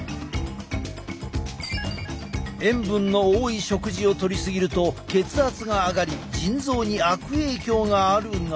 塩分の多い食事をとり過ぎると血圧が上がり腎臓に悪影響があるが。